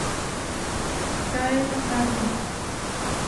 Cae la tarde.